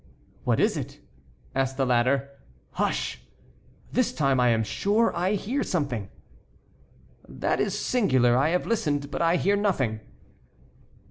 "What is it?" asked the latter. "Hush! this time I am sure I hear something." "That is singular; I have listened, but I hear nothing."